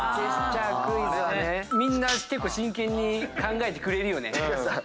みんな結構真剣に考えてくれるよね。